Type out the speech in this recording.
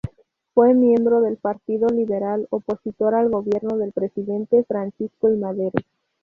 Fue miembro del "Partido Liberal", opositor al gobierno del presidente Francisco I. Madero.